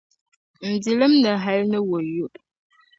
m bilim ni hal ni wayo.